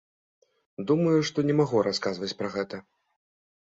Думаю, што не магу расказваць пра гэта.